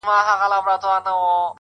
بيا د تورو سترګو و بلا ته مخامخ يمه~